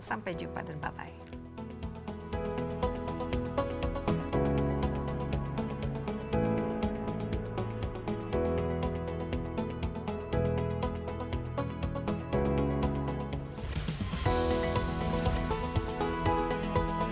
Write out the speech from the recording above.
sampai jumpa dan bye bye